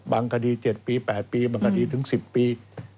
คดี๗ปี๘ปีบางคดีถึง๑๐ปี